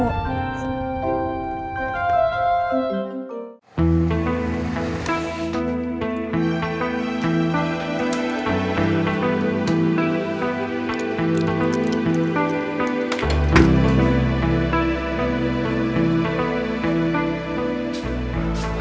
padahal semalem kan baru ketemu